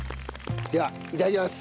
ではいただきます。